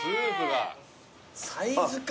サイズ感。